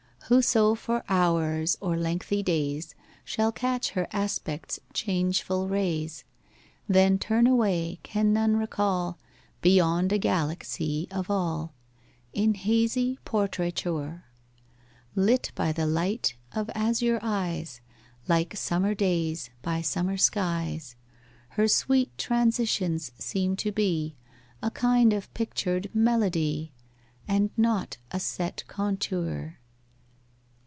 'Whoso for hours or lengthy days Shall catch her aspect's changeful rays, Then turn away, can none recall Beyond a galaxy of all In hazy portraiture; Lit by the light of azure eyes Like summer days by summer skies: Her sweet transitions seem to be A kind of pictured melody, And not a set contour.